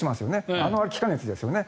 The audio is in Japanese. あれは気化熱ですよね。